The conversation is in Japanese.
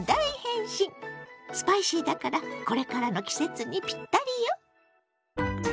スパイシーだからこれからの季節にピッタリよ！